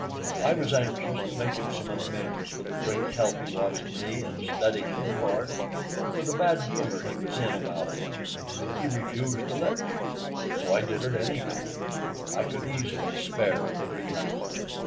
I was anxious to make him some amends for the great help he was to me in studying the part, and for the bad humor he was in about it. He refused to let me, so I did it anyhow. I could easily spare the three hundred.